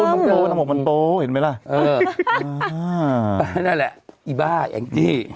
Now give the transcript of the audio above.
โบทมันโบมันโบมันโบเห็นไหมล่ะเออเฮ้อโอ้ไปไว้นั่นแหละอีบ่าอย่างนี้